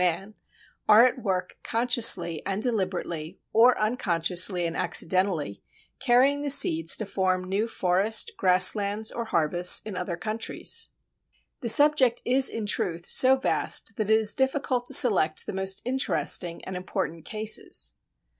man, are at work consciously and deliberately, or unconsciously and accidentally, carrying the seeds to form new forest, grasslands, or harvests in other countries. The subject is in truth so vast that it is difficult to select the most interesting and important cases.